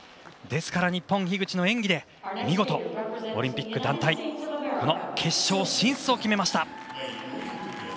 ですから日本、樋口の演技で見事、オリンピック団体決勝進出を決めました。